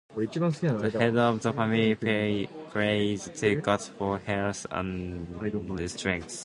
The head of the family prays to God for health and strength.